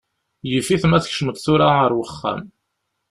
Yif-it ma tkecmeḍ tura ar wexxam.